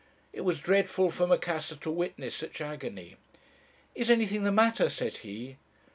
It was dreadful for Macassar to witness such agony. "'Is anything the matter?' said he.